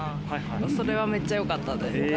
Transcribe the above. それはめっちゃよかったです。